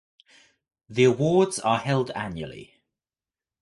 The awards are held annually.